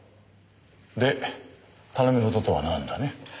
で頼み事とはなんだね？